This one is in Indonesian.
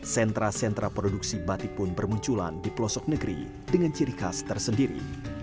sentra sentra produksi batik pun bermunculan di pelosok negeri dengan ciri khas tersendiri